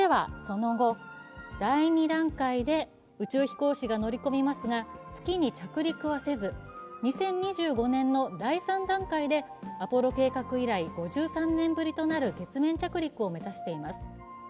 計画ではその後、第２段階で宇宙飛行士が乗り込みますが、月に着陸はせず、２０２５年の第３段階で、アポロ計画以来５３年ぶりとなる月面着陸を目指しています。